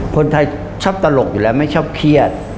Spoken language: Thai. คนไทยชอบตลกอยู่แล้วไม่ชอบเครียด